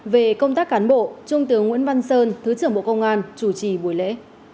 về công tác cán bộ trung tướng nguyễn văn sơn thứ trưởng bộ công an chủ trì buổi lễ